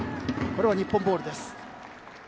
これは日本ボールです。